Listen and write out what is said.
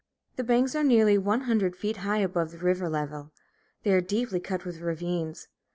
The banks are nearly one hundred feet high above the river level. They are deeply cut with ravines.